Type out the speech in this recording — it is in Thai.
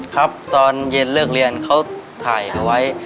ครับตอนเย็นเลิกเรียนเขาถ่ายเอาไว้